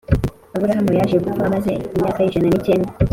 Aburahamu yaje gupfa amaze imyaka ijana n’icyenda